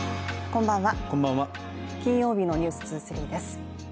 こんばんは、金曜日の「ｎｅｗｓ２３」です。